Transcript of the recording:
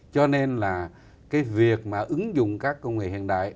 cho nên là cái việc mà ứng dụng các công nghệ hiện đại